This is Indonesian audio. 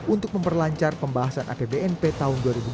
untuk memperlancar pembahasan apbnp tahun dua ribu dua puluh